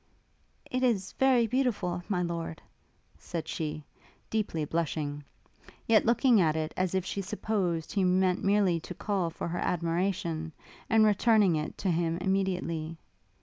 'It is very beautiful, My Lord;' said she, deeply blushing; yet looking at it as if she supposed he meant merely to call for her admiration, and returning it to him immediately.